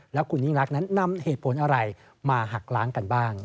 แล้วคุณยิ่งรักนั้นนำเหตุผลอะไรมาหักล้างกันบ้าง